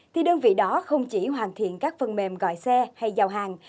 thì đơn vị đó không chỉ hoàn thiện các phần mềm gọi xe hay giao hàng